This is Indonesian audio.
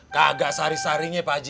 kagak sari saring ya paji